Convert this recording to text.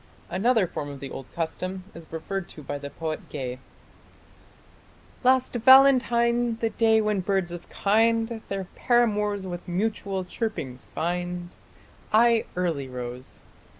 Another form of the old custom is referred to by the poet Gay: Last Valentine, the day when birds of kind Their paramours with mutual chirpings find, I early rose....